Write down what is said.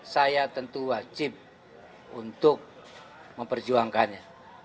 saya tentu wajib untuk memperjuangkannya